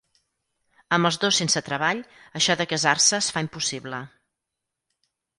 Amb els dos sense treball això de casar-se es fa impossible.